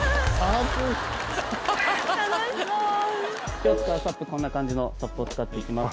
今日使うＳＵＰこんな感じのＳＵＰを使っていきます